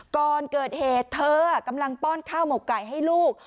ก่อนเกิดเหตุเธอกำลังป้อนข้าวหมกไก่ให้ลูก